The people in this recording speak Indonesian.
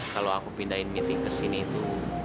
kalau aku pindahin meeting kesini itu